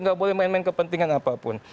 nggak boleh main main kepentingan apapun